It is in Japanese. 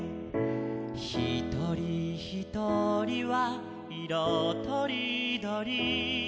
「ひとりひとりはいろとりどり」